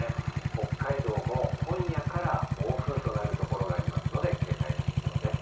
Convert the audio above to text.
北海道も今夜から暴風となる所がありますので警戒が必要です。